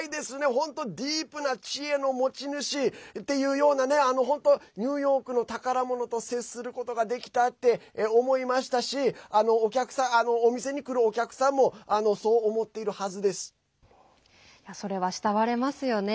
本当ディープな知恵の持ち主っていうようなニューヨークの宝物と接することができたって思いましたしお店に来るお客さんもそれは慕われますよね。